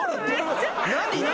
何？